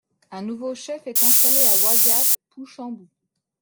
Un nouveau chef est installé à Wagap, Pouchambou.